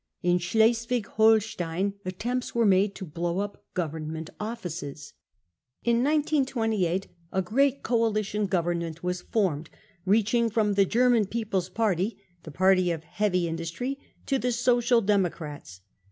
In Schleswig Holstein attempts were made * ;j to blow up government offices, m ^ In 1928 a S£ great coalition " government was formed, j reaching from the German People's Party (the party of 1 heavy Industry) to the Social Democrats.